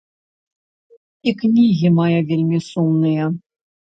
І кнігі мае вельмі сумныя.